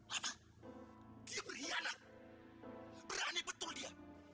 apa dia berkhianat berani betul dia